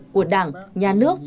của đảng nhà nước